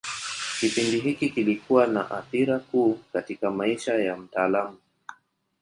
Kipindi hiki kilikuwa na athira kuu katika maisha ya mtaalamu.